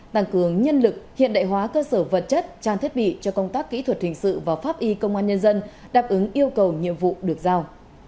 tăng cường nhân lực hiện đại hóa cơ sở vật chất trang thiết bị cho công tác kỹ thuật hình sự và pháp y công an nhân dân đáp ứng yêu cầu nhiệm vụ được giao